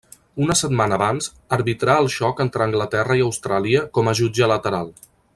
Una setmana abans arbitrà el xoc entre Anglaterra i Austràlia com a jutge lateral.